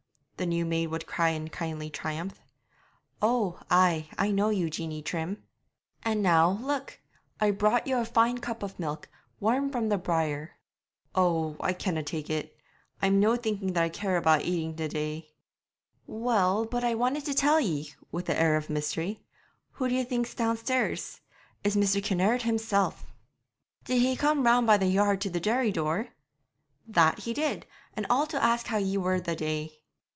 the new maid would cry in kindly triumph. 'Oh, ay, I know you, Jeanie Trim.' 'And now, look, I brought you a fine cup of milk, warm from the byre.' 'Oh, I canna tak' it; I'm no thinking that I care about eating the day.' 'Well, but I want to tell ye' with an air of mystery. 'Who d'ye think's downstairs? It's Mr. Kinnaird himself.' 'Did he come round by the yard to the dairy door?' 'That he did; and all to ask how ye were the day.'